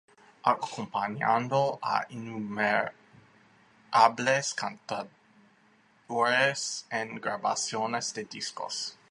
Ha acompañado a innumerables cantaores en grabaciones de discos.